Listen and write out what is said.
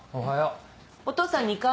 お父さん２階？